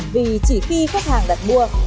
vì chỉ khi khách hàng đặt mua